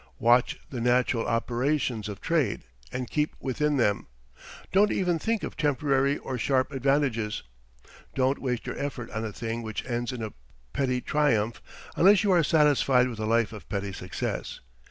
Watch the natural operations of trade, and keep within them. Don't even think of temporary or sharp advantages. Don't waste your effort on a thing which ends in a petty triumph unless you are satisfied with a life of petty success.